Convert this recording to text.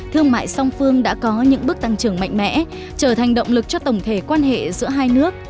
thương mại song phương đã có những bước tăng trưởng mạnh mẽ trở thành động lực cho tổng thể quan hệ giữa hai nước